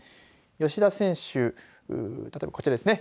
吉田選手、例えばこちらですね。